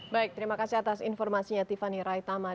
baik terima kasih atas informasinya tiffany raitama